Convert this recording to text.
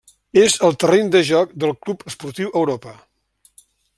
És el terreny de joc del Club Esportiu Europa.